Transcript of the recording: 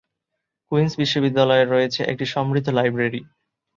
Queen's বিশ্ববিদ্যালয়ের রয়েছে একটি সমৃদ্ধ লাইব্রেরী।